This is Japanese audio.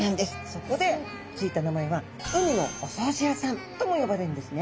そこで付いた名前は海のお掃除屋さんとも呼ばれるんですね。